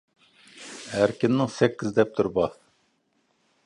ئەركىننىڭ سەككىز دەپتىرى بار.